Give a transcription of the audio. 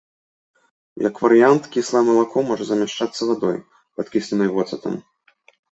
Як варыянт, кіслае малако можа замяшчацца вадой, падкісленай воцатам.